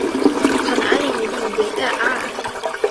pan ali mi li weka a!